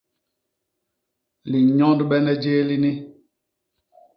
Linyondbene jéé lini.